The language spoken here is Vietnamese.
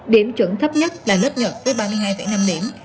điểm chuẩn thấp nhất là lớp nhật với ba mươi hai năm điểm